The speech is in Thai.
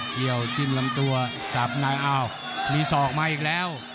เกี่ยวจิ้มลำตัวสับในอ้าวมีศอกมาอีกแล้ว